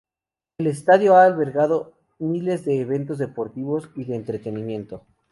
El estadio ha albergado miles de eventos deportivos y de entretenimiento.